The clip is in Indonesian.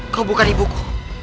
kau bukan ibuku